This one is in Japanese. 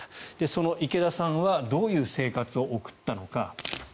その池田さんはどういう生活を送ったのか。